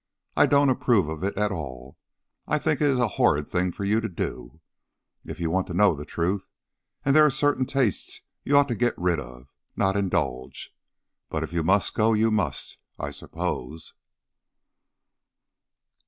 I don't approve of it at all. I think it is a horrid thing for you to do, if you want to know the truth, and there are certain tastes you ought to get rid of, not indulge. But if you must go, you must, I suppose."